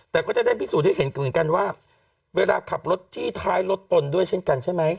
แต่ก็จะได้พิสูจน์ให้เห็นเหมือนกันว่าเวลาขับรถจี้ท้ายรถตนด้วยเช่นกันใช่ไหม